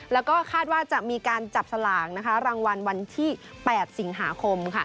แล้วก็คาดว่าจะมีการจับสลากรางวัลวันที่๘สิงหาคม